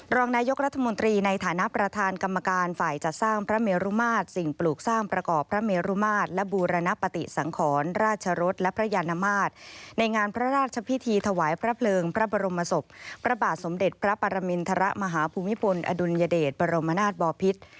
รองนายกรัฐมนตรีในฐานะประธานกรรมการฝ่ายจัดสร้างพระเมรุมาตรสิ่งปลูกสร้างประกอบพระเมรุมาตรและบูรณปฏิสังขรราชรสและพระยานมาตรในงานพระราชพิธีถวายพระเพลิงพระบรมศพพระบาทสมเด็จพระปรมินทรมาฮภูมิพลอดุลยเดชบรมนาศบอพิษ